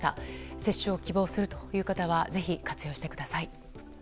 接種を希望するという方はぜひ活用してください。